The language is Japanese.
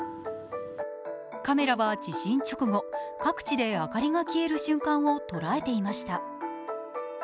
カメラは地震直後、各地で明かりが消える瞬間を捉えていました。